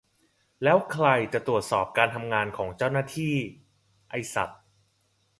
แล้วใครจะตรวจสอบการทำงานของเจ้าหน้าที่ ? ไอ้สัส